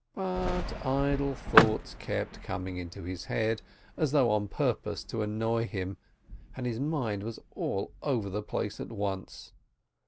But idle thoughts kept coming into his head, as though on purpose to annoy him, and his mind was all over the place at once